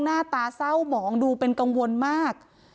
หน้าตาเศร้าหมองดูเป็นกังวลมาก